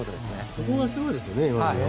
そこがすごいですよね。